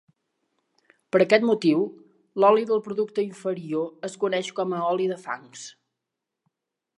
Per aquest motiu, l'oli del producte inferior es coneix com a oli de fangs.